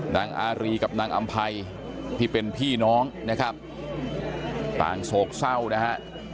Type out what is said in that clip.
นางอารีกับนางอำภัยที่เป็นพี่น้องนะครับต่างโศกเศร้านะฮะ